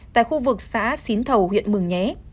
tại khu vực xã xín thầu huyện mường nhé